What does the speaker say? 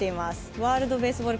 ワールドベースボール